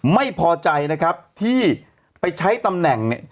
ไม่พอใจนะครับที่ไปใช้ตำแหน่งเนี่ย